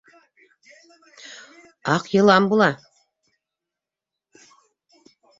- Аҡ йылан була.